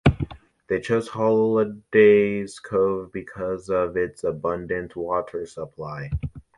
They chose Hollidays Cove because of its abundant water supply.